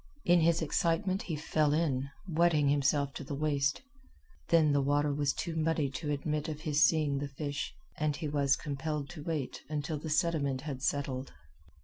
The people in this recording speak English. In his excitement he fell in, wetting himself to the waist. Then the water was too muddy to admit of his seeing the fish, and he was compelled to wait until the sediment had settled.